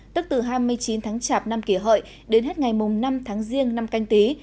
tức từ hai mươi chín tháng chạp năm kỷ hợi đến hết ngày mùng năm tháng riêng năm canh tí